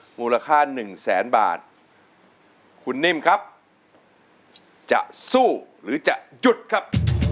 มูลค่าหนึ่งแสนบาทคุณนิ่มครับจะสู้หรือจะหยุดครับ